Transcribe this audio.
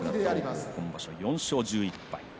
今場所は４勝１１敗。